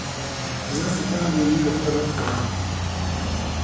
د زړه ساتنه د عمومي روغتیا برخه ده.